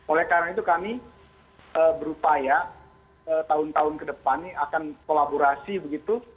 oleh karena itu kami berupaya tahun tahun ke depan ini akan kolaborasi begitu